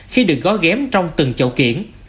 khi được gói ghém trong từng chậu kiện